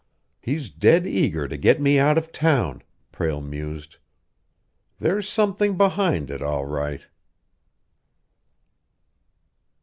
"He's dead eager to get me out of town," Prale mused. "There's something behind it, all right."